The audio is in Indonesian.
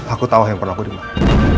aku tau handphone aku dimana